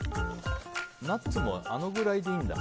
ナッツもあのぐらいでいいんだ。